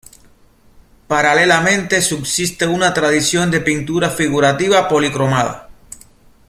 Paralelamente subsiste una tradición de pintura figurativa policromada.